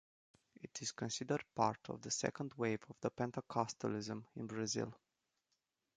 It is considered part of the second wave of Pentecostalism in Brazil.